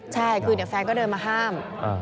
ใช่คือเดี๋ยวแฟนก็เดินมาห้าม